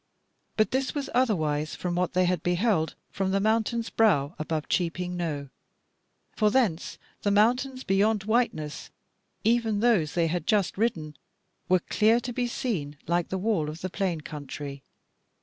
But this was otherwise from what they had beheld from the mountain's brow above Cheaping Knowe. For thence the mountains beyond Whiteness, even those that they had just ridden, were clear to be seen like the wall of the plain country.